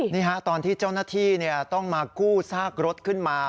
นี่ฮะตอนที่เจ้าหน้าที่ต้องมากู้ซากรถขึ้นมา